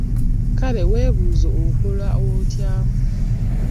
Kale weebuuze okola otya?